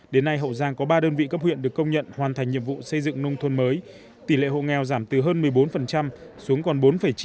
đến nay hậu giang có ba đơn vị cấp huyện được công nhận hoàn thành nhiệm vụ xây dựng nông thôn mới tỷ lệ hộ nghèo giảm từ hơn một mươi bốn xuống còn bốn chín